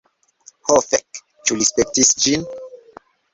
Ho fek, ĉu li spektis ĝin?